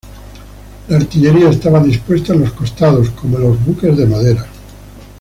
La artillería estaba dispuesta en los costados, como en los buques de madera.